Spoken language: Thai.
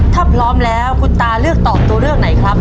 ถ้าพร้อมแล้วคุณตาเลือกตอบตัวเลือกไหนครับ